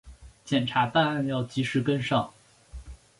检察办案要及时跟上